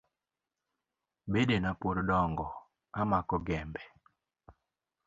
Bedena pod dongo amako gembe.